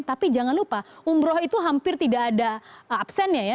tapi jangan lupa umroh itu hampir tidak ada absennya ya